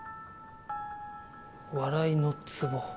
笑いのツボ。